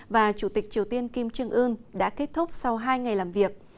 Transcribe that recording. và chủ tịch triều tiên kim trương ưn đã kết thúc sau hai ngày làm việc